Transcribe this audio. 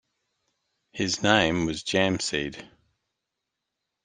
His name was Jamseed.